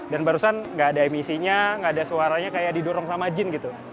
dan barusan nggak ada emisinya nggak ada suaranya kayak didorong sama jin gitu